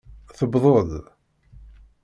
Tewweḍ-d.